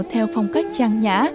theo phong cách trang nhã